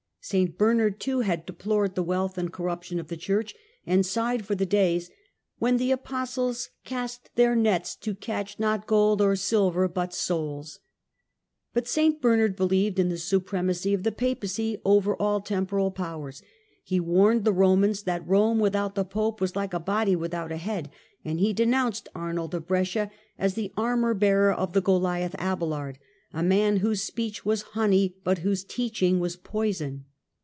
St Bernard, too, had deplored the wealth and corruption of the Church, and sighed for the days " when the Apostles cast their nets to catch, not gold or silver, but souls." But St Bernard believed in the supremacy of the Papacy over all temporal powers ; he warned the Romans that Rome without the Pope was like a body without a head, and he denounced Arnold of Brescia as " the armour bearer of the Goliath Abelard," a man " whose speech was honey, but whose teaching was poison."